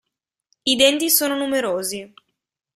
I denti sono numerosi.